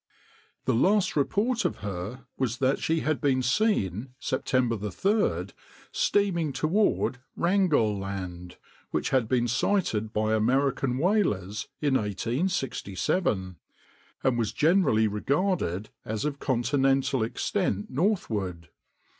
The last report of her was that she had been seen September 3d steaming toward Wrangell Land, which had been sighted by American whalers in 1867, and was generally regarded as of continental extent northward.